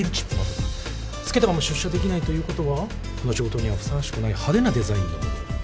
つけたまま出社できないということはこの仕事にはふさわしくない派手なデザインのもの。